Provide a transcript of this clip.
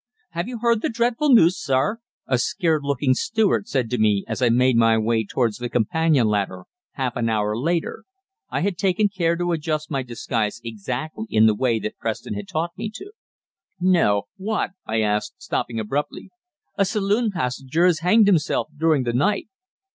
"Have you heard the dreadful news, sir?" a scared looking steward said to me as I made my way towards the companion ladder half an hour later I had taken care to adjust my disguise exactly in the way that Preston had taught me to. "No what?" I asked, stopping abruptly. "A saloon passenger has hanged himself during the night."